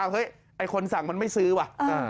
เฮ้ยไอ้คนสั่งมันไม่ซื้อว่ะ